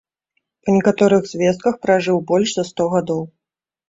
Па некаторых звестках пражыў больш за сто гадоў.